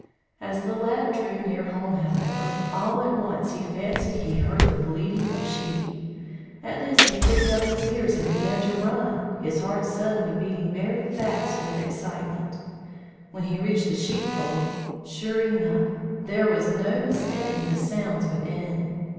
As the lad drew near home, however, all at once he fancied he heard the bleating of sheep. At this he pricked up his ears and began to run, his heart suddenly beating very fast with excitement! When he reached the sheepfold, sure enough, there was no mistaking the sounds within.